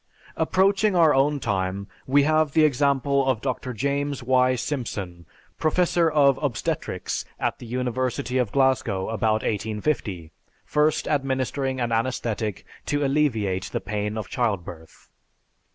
Approaching our own time, we have the example of Dr. James Y. Simpson, professor of obstetrics at the University of Glasgow about 1850, first administering an anesthetic to alleviate the pain of childbirth.